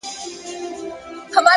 هره هیله د حرکت غوښتنه کوي.!